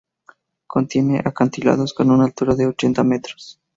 Contiene acantilados con una altura de ochenta metros.